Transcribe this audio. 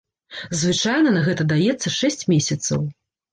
Звычайна на гэта даецца шэсць месяцаў.